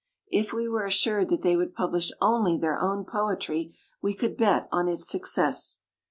If we were assured that they would publish orUy their own poetry, we could bet on its success.